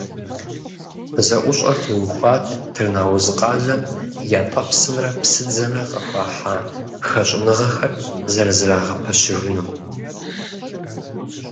ЗэӀущӀэр теухуат Тырныауз къалэм ятӀэпсымрэ псыдзэмрэ къыхуахьа хэщӀыныгъэхэр зэрызэрагъэпэщыжынум.